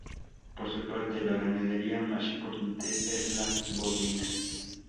Por su parte, la ganadería más importante es la bovina.